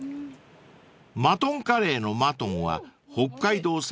［マトンカレーのマトンは北海道産を使用］